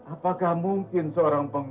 apakah mungkin seorang pengguna